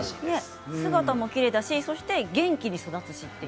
姿もきれいだし元気に育つし。